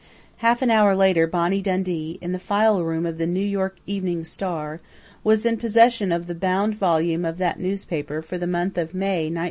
Half an hour later Bonnie Dundee, in the file room of The New York Evening Star, was in possession of the bound volume of that newspaper for the month of May, 1922.